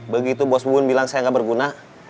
begitu bos bubun bilang saya gak berguna